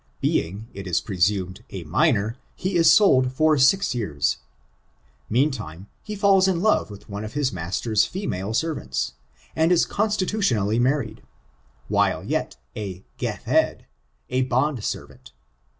Being, it is presumed, a minor, he is sold for six years. Meantime, he falls in love with one of his master's female servants, and is constitutionally married, while yet a gehved — a bond servant.